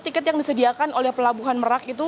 tiket yang disediakan oleh pelabuhan merak itu